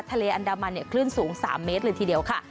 ทะเลอันดามันเนี่ยคลื่นสูง๓เมตรเลยทีเดียวค่ะ